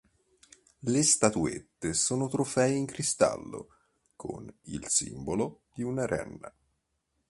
Le statuette sono trofei in cristallo con il simbolo di una renna.